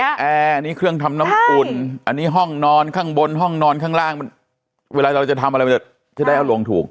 อันนี้เครื่องทำน้ำอุ่นอันนี้ห้องนอนข้างบนห้องนอนข้างล่างมันเวลาเราจะทำอะไรมันจะได้เอาลงถูก